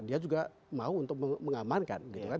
dia juga mau untuk mengamankan